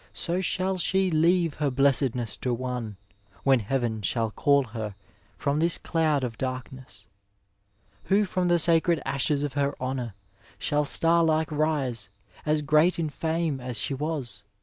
So shall she leave her blessedness to one— When heaven shall call her from this cloud of darkness — Who from the sacred ashes of her honour Shall star like rise, as great in fame as she was.